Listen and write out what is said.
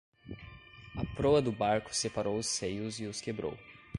A proa do barco separou os seios e os quebrou.